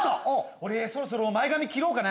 俺そろそろ前髪切ろうかな。